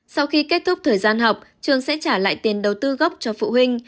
sau khi kết thúc thời gian học trường sẽ trả lại tiền đầu tư gốc cho phụ huynh